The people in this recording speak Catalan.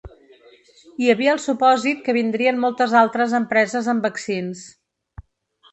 Hi havia el supòsit que vindrien moltes altres empreses amb vaccins.